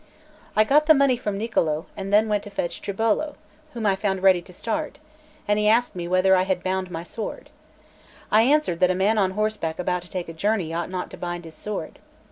I got the money from Niccolò, and then went to fetch Tribolo, whom I found ready to start; and he asked me whether I had bound my sword. I answered that a man on horseback about to take a journey ought not to bind his sword.